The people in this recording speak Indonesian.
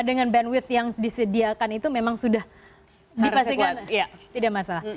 dengan bandwidth yang disediakan itu memang sudah dipastikan tidak masalah